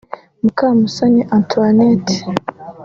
Mukamusoni Antoinette